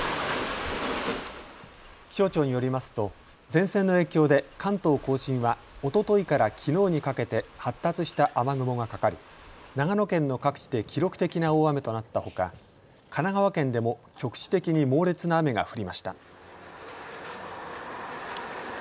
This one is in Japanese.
気象庁によりますと前線の影響で関東甲信はおとといからきのうにかけて発達した雨雲がかかり長野県の各地で記録的な大雨となったほか神奈川県でも局地的に猛烈な雨が降りました。